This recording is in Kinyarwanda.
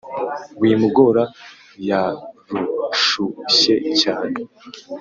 wimugora yarushushye cyane